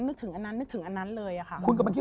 นึกถึงอันนั้นนึกถึงอันนั้นเลยค่ะ